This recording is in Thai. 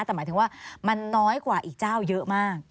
แต่หมายถึงว่ามันน้อยกว่าอีกเจ้าเยอะมาก